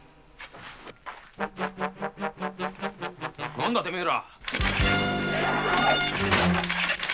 何だてめえら。